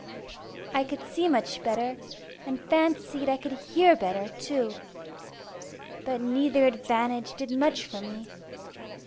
I could see much better, and fancied I could hear better too. But neither advantage did much for me.